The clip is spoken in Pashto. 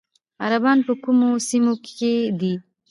عربان په کومو سیمو کې دي؟